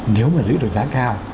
nếu mà giữ được giá cao